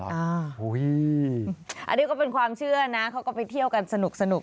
อันนี้ก็เป็นความเชื่อนะเขาก็ไปเที่ยวกันสนุก